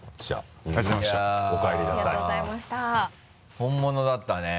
本物だったね。